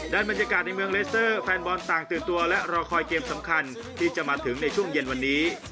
บรรยากาศในเมืองเลสเตอร์แฟนบอลต่างตื่นตัวและรอคอยเกมสำคัญที่จะมาถึงในช่วงเย็นวันนี้